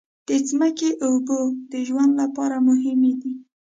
د ځمکې اوبو د ژوند لپاره مهمې دي.